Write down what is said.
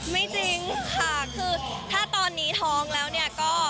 จริงค่ะคือถ้าตอนนี้ท้องแล้วเนี่ยก็